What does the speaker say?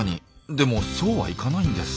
でもそうはいかないんです。